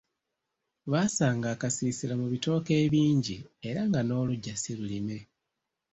Baasanga akasiisira mu bitooke ebingi era nga noluggya si lulime.